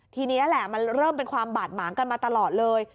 ทีนี้แหละมันเริ่มเป็นความบาดหมางกันมาตลอดเลย